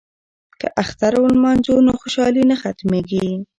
که اختر ولمانځو نو خوشحالي نه ختمیږي.